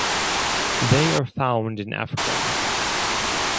They are found in Africa.